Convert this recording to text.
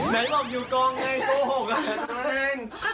ไหนบอกอยู่กลองไงโกหกเลย